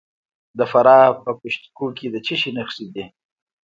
د فراه په پشت کوه کې د څه شي نښې دي؟